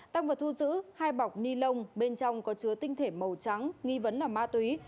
tăng vật thu giữ hai bọc ni lông bên trong có chứa tinh thể màu trắng nghi vấn là ma túy